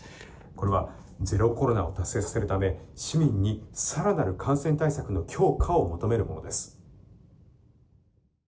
これはゼロコロナを達成するため市民に更なる感染対策の強化を求めるものです。